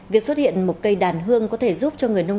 việc xuất hiện một cây đàn hương có thể giúp cho người nông dân